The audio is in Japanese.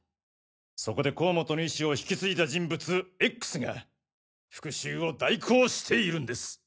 そこで甲本の遺志を引きついだ人物「Ｘ」が復讐を代行しているんです！